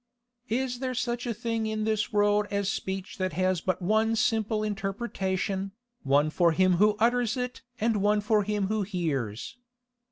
Is there such a thing in this world as speech that has but one simple interpretation, one for him who utters it and for him who hears?